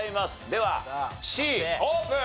ではＣオープン！